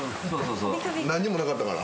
何にもなかったから。